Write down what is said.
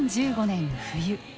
２０１５年冬。